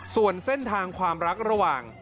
ส่วนเส้นทางความรักระหว่าง